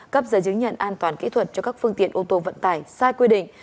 cấp giấy chứng nhận an toàn kỹ thuật cho các phương tiện ô tô vận tải sai quy định